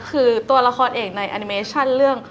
คือตัวละครเอกในแอนิเมชั่นเรื่อง